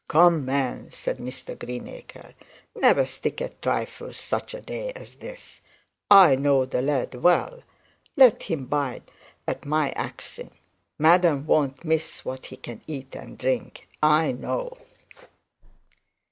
'Come, man,' said Mr Greenacre, 'never stick at trifles such a day as this. I know the lad well. Let him bide at my axing. Madam won't miss what he can eat and drink, I know.'